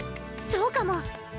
そうかも。